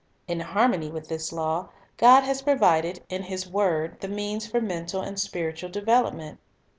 In harmony with this law, God has provided in His word the means for mental and spiritual development.